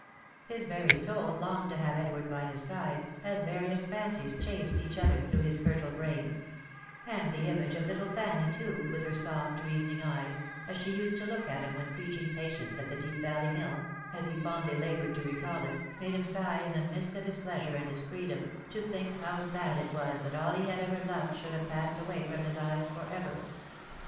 His very soul longed to have Edward by his side, as various fancies chased each other through his fertile brain ; and the image of little Fanny, too, with her soft reasoning eyes, as she used to look at him when preaching patience at the Deep Valley Mill, as he fondly laboured to recall it, made him sigh in the midst of his pleasure and his freedom, to think how sad it was that all he had ever loved should have passed away from his eyes for ever.